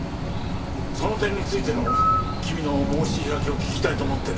その点についての君の申し開きを聞きたいと思ってね。